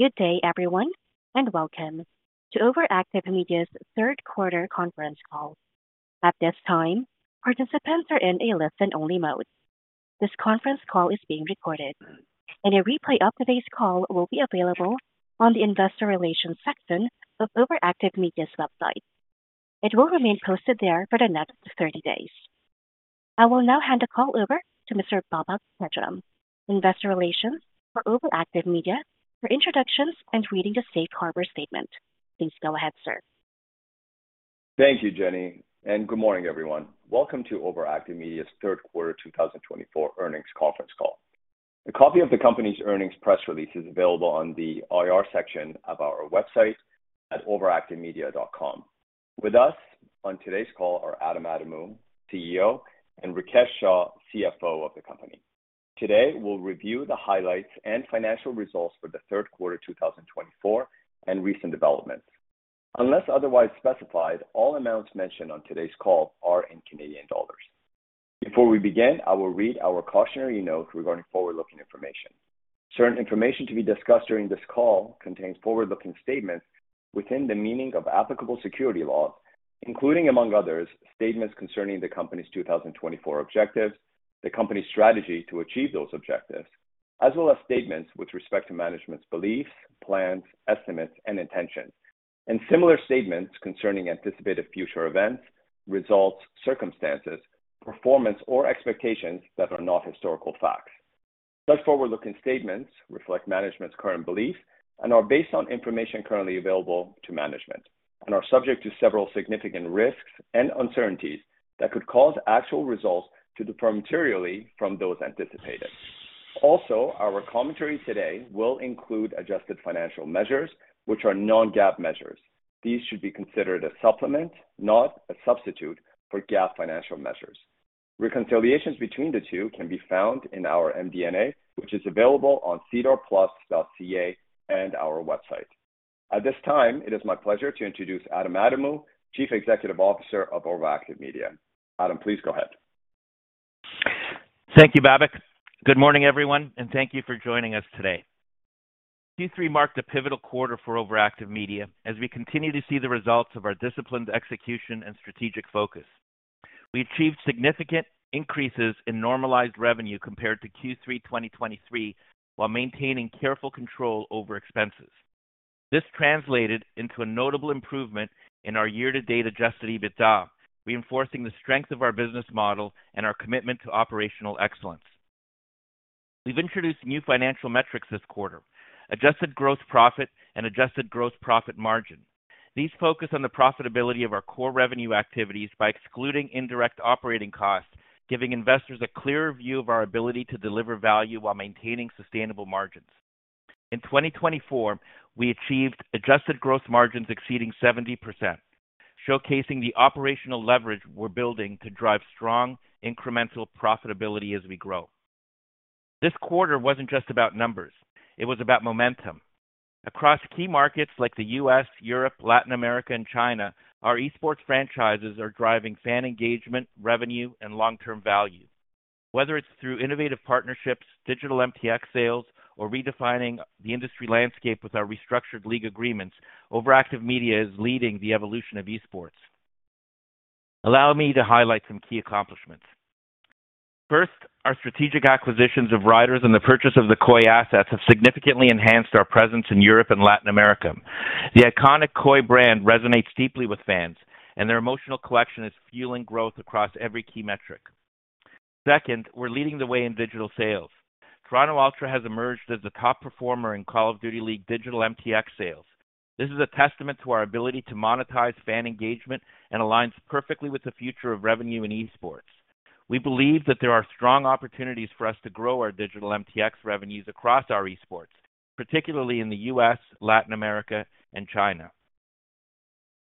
Good day, everyone, and welcome to OverActive Media's third quarter conference call. At this time, participants are in a listen-only mode. This conference call is being recorded, and a replay of today's call will be available on the Investor Relations section of OverActive Media's website. It will remain posted there for the next 30 days. I will now hand the call over to Mr. Babak Pedram, Investor Relations for Overactive Media, for introductions and reading the Safe Harbor Statement. Please go ahead, sir. Thank you, Jenny, and good morning, everyone. Welcome to Overactive Media's third quarter 2024 earnings conference call. A copy of the company's earnings press release is available on the IR section of our website at overactivemedia.com. With us on today's call are Adam Adamou, CEO, and Rikesh Shah, CFO of the company. Today, we'll review the highlights and financial results for the third quarter 2024 and recent developments. Unless otherwise specified, all amounts mentioned on today's call are in Canadian dollars. Before we begin, I will read our cautionary note regarding forward-looking information. Certain information to be discussed during this call contains forward-looking statements within the meaning of applicable securities laws, including, among others, statements concerning the company's 2024 objectives, the company's strategy to achieve those objectives, as well as statements with respect to management's beliefs, plans, estimates, and intentions, and similar statements concerning anticipated future events, results, circumstances, performance, or expectations that are not historical facts. Such forward-looking statements reflect management's current beliefs and are based on information currently available to management and are subject to several significant risks and uncertainties that could cause actual results to differ materially from those anticipated. Also, our commentary today will include adjusted financial measures, which are non-GAAP measures. These should be considered a supplement, not a substitute for GAAP financial measures. Reconciliations between the two can be found in our MD&A, which is available on sedarplus.ca and our website. At this time, it is my pleasure to introduce Adam Adamou, Chief Executive Officer of Overactive Media. Adam, please go ahead. Thank you, Babak. Good morning, everyone, and thank you for joining us today. Q3 marked a pivotal quarter for Overactive Media as we continue to see the results of our disciplined execution and strategic focus. We achieved significant increases in normalized revenue compared to Q3 2023 while maintaining careful control over expenses. This translated into a notable improvement in our year-to-date Adjusted EBITDA, reinforcing the strength of our business model and our commitment to operational excellence. We've introduced new financial metrics this quarter: Adjusted Gross Profit and Adjusted Gross Profit Margin. These focus on the profitability of our core revenue activities by excluding indirect operating costs, giving investors a clearer view of our ability to deliver value while maintaining sustainable margins. In 2024, we achieved Adjusted Gross Margins exceeding 70%, showcasing the operational leverage we're building to drive strong, incremental profitability as we grow. This quarter wasn't just about numbers. It was about momentum. Across key markets like the U.S., Europe, Latin America, and China, our eSports franchises are driving fan engagement, revenue, and long-term value. Whether it's through innovative partnerships, digital MTX sales, or redefining the industry landscape with our restructured league agreements, Overactive Media is leading the evolution of eSports. Allow me to highlight some key accomplishments. First, our strategic acquisitions of Riders and the purchase of the KOI assets have significantly enhanced our presence in Europe and Latin America. The iconic KOI brand resonates deeply with fans, and their emotional collection is fueling growth across every key metric. Second, we're leading the way in digital sales. Toronto Ultra has emerged as the top performer in Call of Duty League digital MTX sales. This is a testament to our ability to monetize fan engagement and aligns perfectly with the future of revenue in eSports. We believe that there are strong opportunities for us to grow our digital MTX revenues across our eSports, particularly in the U.S., Latin America, and China.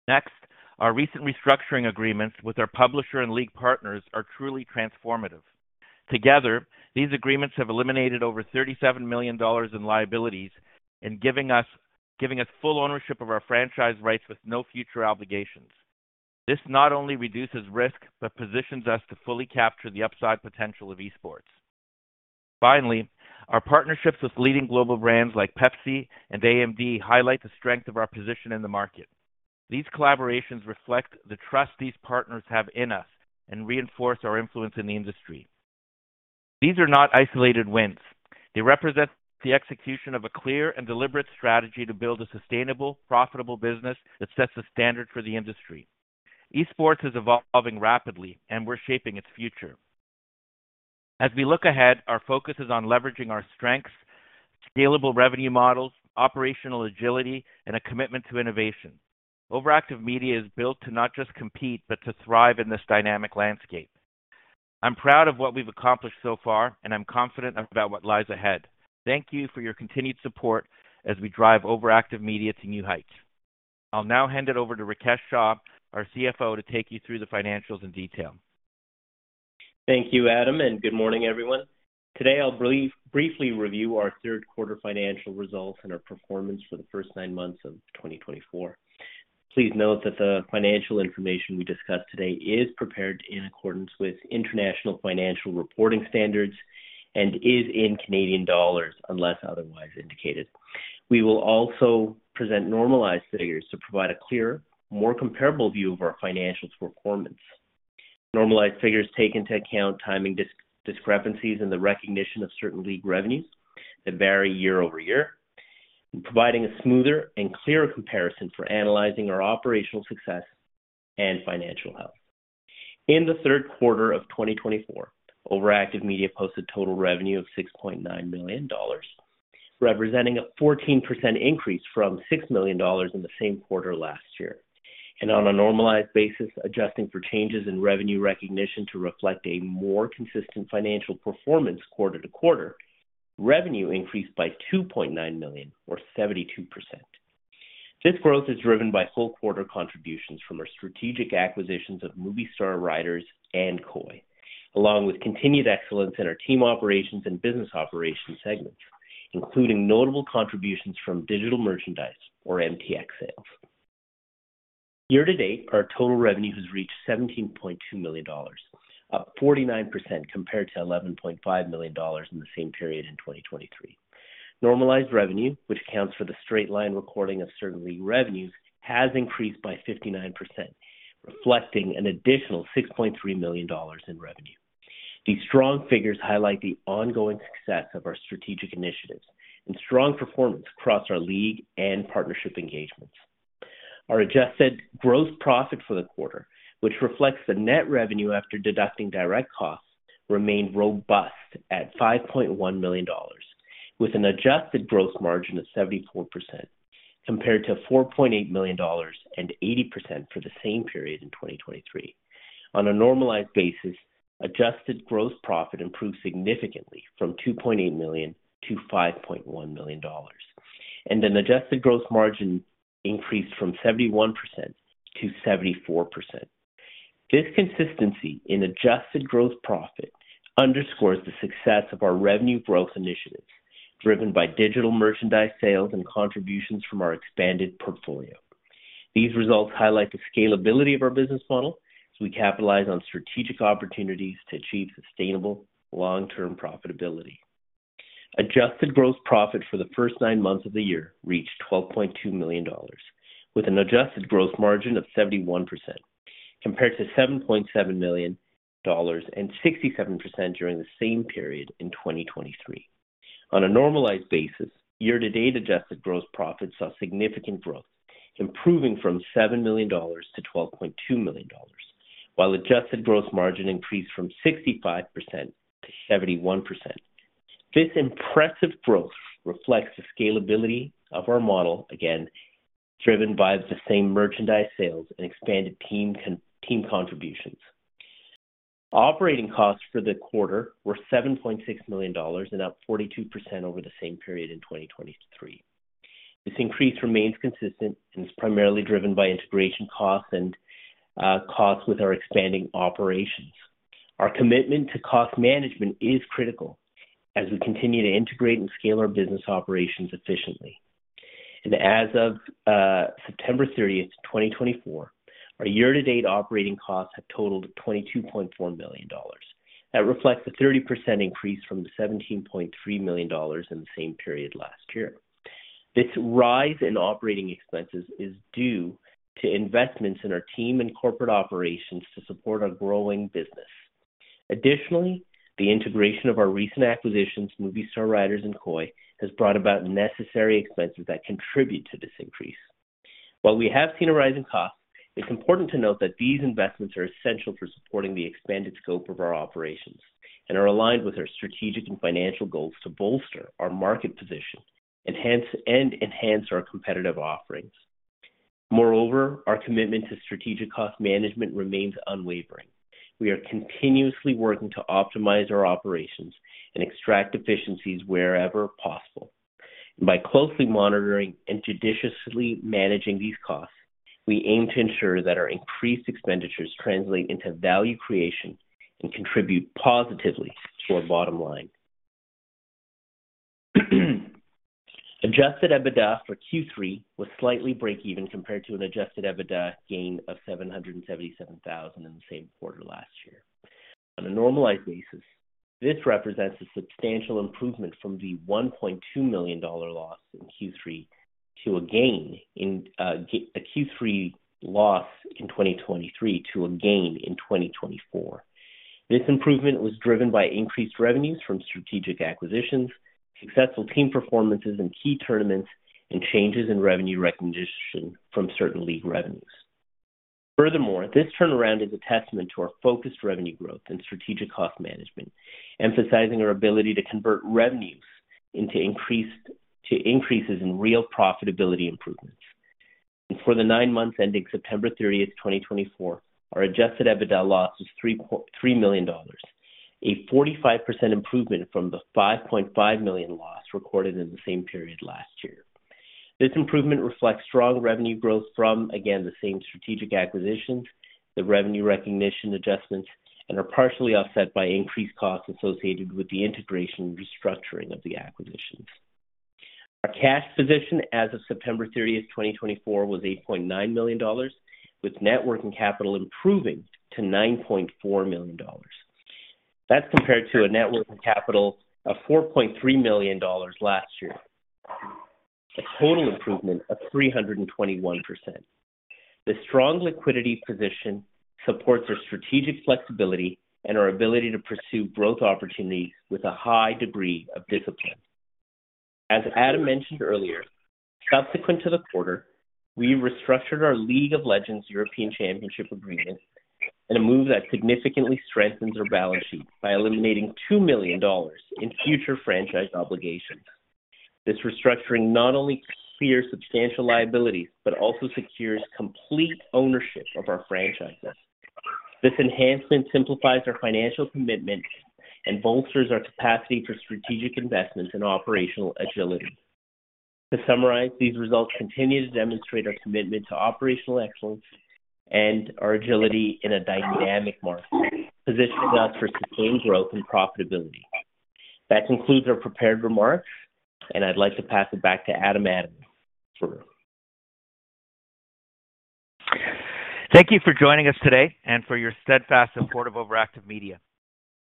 Next, our recent restructuring agreements with our publisher and league partners are truly transformative. Together, these agreements have eliminated over 37 million dollars in liabilities and given us full ownership of our franchise rights with no future obligations. This not only reduces risk but positions us to fully capture the upside potential of eSports. Finally, our partnerships with leading global brands like Pepsi and AMD highlight the strength of our position in the market. These collaborations reflect the trust these partners have in us and reinforce our influence in the industry. These are not isolated wins. They represent the execution of a clear and deliberate strategy to build a sustainable, profitable business that sets the standard for the industry. esports is evolving rapidly, and we're shaping its future. As we look ahead, our focus is on leveraging our strengths, scalable revenue models, operational agility, and a commitment to innovation. Overactive Media is built to not just compete but to thrive in this dynamic landscape. I'm proud of what we've accomplished so far, and I'm confident about what lies ahead. Thank you for your continued support as we drive Overactive Media to new heights. I'll now hand it over to Rikesh Shah, our CFO, to take you through the financials in detail. Thank you, Adam, and good morning, everyone. Today, I'll briefly review our third quarter financial results and our performance for the first nine months of 2024. Please note that the financial information we discuss today is prepared in accordance with International Financial Reporting Standards and is in Canadian dollars unless otherwise indicated. We will also present normalized figures to provide a clearer, more comparable view of our financial performance. Normalized figures take into account timing discrepancies and the recognition of certain league revenues that vary year over year, providing a smoother and clearer comparison for analyzing our operational success and financial health. In the third quarter of 2024, Overactive Media posted total revenue of 6.9 million dollars, representing a 14% increase from 6 million dollars in the same quarter last year. On a normalized basis, adjusting for changes in revenue recognition to reflect a more consistent financial performance quarter to quarter, revenue increased by 2.9 million, or 72%. This growth is driven by whole quarter contributions from our strategic acquisitions of Movistar Riders and KOI, along with continued excellence in our team operations and business operations segments, including notable contributions from digital merchandise, or MTX sales. Year to date, our total revenue has reached 17.2 million dollars, up 49% compared to 11.5 million dollars in the same period in 2023. Normalized revenue, which accounts for the straight-line recording of certain league revenues, has increased by 59%, reflecting an additional 6.3 million dollars in revenue. These strong figures highlight the ongoing success of our strategic initiatives and strong performance across our league and partnership engagements. Our adjusted gross profit for the quarter, which reflects the net revenue after deducting direct costs, remained robust at 5.1 million dollars, with an adjusted gross margin of 74% compared to 4.8 million dollars and 80% for the same period in 2023. On a normalized basis, adjusted gross profit improved significantly from 2.8 million to 5.1 million dollars, and an adjusted gross margin increased from 71% to 74%. This consistency in adjusted gross profit underscores the success of our revenue growth initiatives driven by digital merchandise sales and contributions from our expanded portfolio. These results highlight the scalability of our business model as we capitalize on strategic opportunities to achieve sustainable, long-term profitability. Adjusted gross profit for the first nine months of the year reached 12.2 million dollars, with an adjusted gross margin of 71% compared to 7.7 million dollars and 67% during the same period in 2023. On a normalized basis, year to date, adjusted gross profit saw significant growth, improving from 7 million dollars to 12.2 million dollars, while adjusted gross margin increased from 65% to 71%. This impressive growth reflects the scalability of our model, again driven by the same merchandise sales and expanded team contributions. Operating costs for the quarter were 7.6 million dollars and up 42% over the same period in 2023. This increase remains consistent and is primarily driven by integration costs and costs with our expanding operations. Our commitment to cost management is critical as we continue to integrate and scale our business operations efficiently, and as of September 30, 2024, our year-to-date operating costs have totaled 22.4 million dollars. That reflects a 30% increase from the 17.3 million dollars in the same period last year. This rise in operating expenses is due to investments in our team and corporate operations to support our growing business. Additionally, the integration of our recent acquisitions, Movistar Riders and KOI, has brought about necessary expenses that contribute to this increase. While we have seen a rise in costs, it's important to note that these investments are essential for supporting the expanded scope of our operations and are aligned with our strategic and financial goals to bolster our market position and enhance our competitive offerings. Moreover, our commitment to strategic cost management remains unwavering. We are continuously working to optimize our operations and extract efficiencies wherever possible. By closely monitoring and judiciously managing these costs, we aim to ensure that our increased expenditures translate into value creation and contribute positively to our bottom line. Adjusted EBITDA for Q3 was slightly break-even compared to an adjusted EBITDA gain of 777,000 in the same quarter last year. On a normalized basis, this represents a substantial improvement from the 1.2 million dollar loss in Q3 2023 to a gain in Q3 2024. This improvement was driven by increased revenues from strategic acquisitions, successful team performances in key tournaments, and changes in revenue recognition from certain league revenues. Furthermore, this turnaround is a testament to our focused revenue growth and strategic cost management, emphasizing our ability to convert revenues into increases in real profitability improvements. For the nine months ending September 30, 2024, our adjusted EBITDA loss was 3 million dollars, a 45% improvement from the 5.5 million loss recorded in the same period last year. This improvement reflects strong revenue growth from, again, the same strategic acquisitions, the revenue recognition adjustments, and are partially offset by increased costs associated with the integration and restructuring of the acquisitions. Our cash position as of September 30, 2024, was 8.9 million dollars, with net working capital improving to 9.4 million dollars. That's compared to a net working capital of 4.3 million dollars last year, a total improvement of 321%. The strong liquidity position supports our strategic flexibility and our ability to pursue growth opportunities with a high degree of discipline. As Adam mentioned earlier, subsequent to the quarter, we restructured our League of Legends European Championship agreement in a move that significantly strengthens our balance sheet by eliminating 2 million dollars in future franchise obligations. This restructuring not only clears substantial liabilities but also secures complete ownership of our franchises. This enhancement simplifies our financial commitment and bolsters our capacity for strategic investments and operational agility. To summarize, these results continue to demonstrate our commitment to operational excellence and our agility in a dynamic market, positioning us for sustained growth and profitability. That concludes our prepared remarks, and I'd like to pass it back to Adam Adamou for. Thank you for joining us today and for your steadfast support of Overactive Media.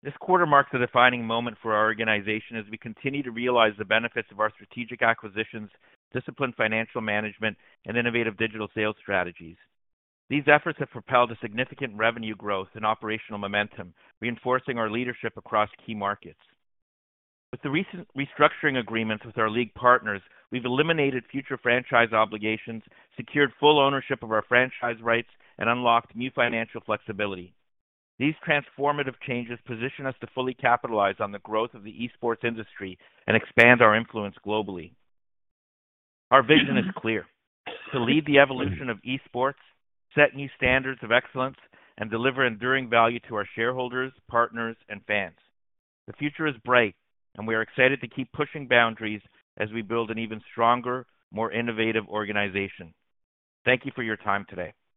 This quarter marks a defining moment for our organization as we continue to realize the benefits of our strategic acquisitions, disciplined financial management, and innovative digital sales strategies. These efforts have propelled a significant revenue growth and operational momentum, reinforcing our leadership across key markets. With the recent restructuring agreements with our league partners, we've eliminated future franchise obligations, secured full ownership of our franchise rights, and unlocked new financial flexibility. These transformative changes position us to fully capitalize on the growth of the eSports industry and expand our influence globally. Our vision is clear: to lead the evolution of eSports, set new standards of excellence, and deliver enduring value to our shareholders, partners, and fans. The future is bright, and we are excited to keep pushing boundaries as we build an even stronger, more innovative organization. Thank you for your time today.